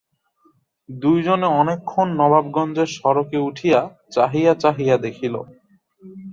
দুইজনে অনেকক্ষণ নবাবগঞ্জের সড়কে উঠিয়া চাহিয়া চাহিয়া দেখিল।